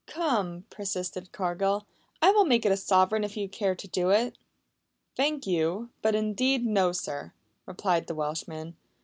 "Come," persisted Cargill, "I will make it a sovereign if you care to do it." "Thank you, but indeed, no, sir," replied the Welshman.